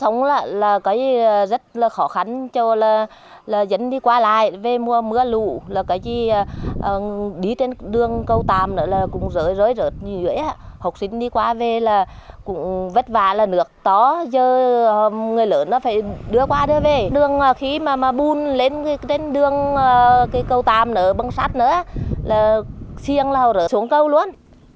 người lớn phải đưa qua đưa về đường khi mà bùn lên đường cầu tạm băng sát nữa là xiêng rồi xuống cầu luôn